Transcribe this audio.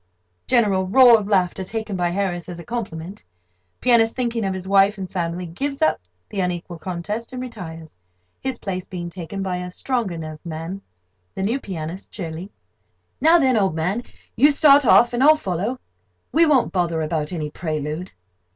'" [General roar of laughter, taken by Harris as a compliment. Pianist, thinking of his wife and family, gives up the unequal contest and retires; his place being taken by a stronger nerved man. THE NEW PIANIST (cheerily): "Now then, old man, you start off, and I'll follow. We won't bother about any prelude."